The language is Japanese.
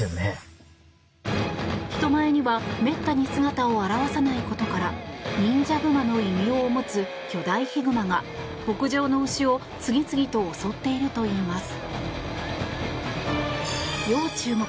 人前にはめったに姿を現さないことから忍者熊の異名を持つ巨大ヒグマが牧場の牛を次々と襲っているといいます。